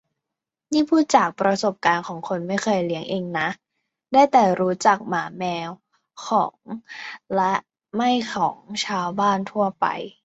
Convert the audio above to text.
นี่พูดจากประสบการณ์ของคนไม่เคยเลี้ยงเองนะ ได้แต่รู้จักหมาแมวของและไม่ของชาวบ้านทั่วไป